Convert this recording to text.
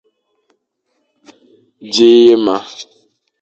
Dji ye ma.